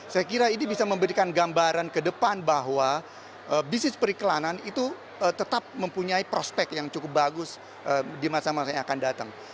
saya kira ini bisa memberikan gambaran ke depan bahwa bisnis periklanan itu tetap mempunyai prospek yang cukup bagus di masa masa yang akan datang